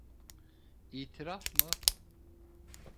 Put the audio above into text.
İtiraf mı?